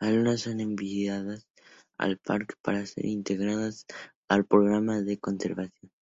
Algunas son enviadas al parque para ser integradas al Programa de Conservación.